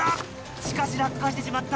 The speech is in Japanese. しかし落下してしまった。